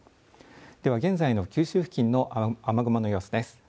では現在の九州付近の雨雲の様子です。